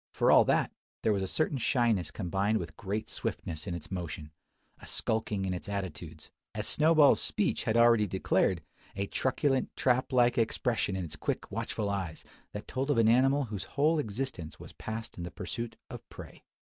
For all that, there was a certain shyness combined with great swiftness in its motion, a skulking in its attitudes: as Snowball's speech had already declared, a truculent, trap like expression in its quick watchful eyes, that told of an animal whose whole existence was passed in the pursuit of prey.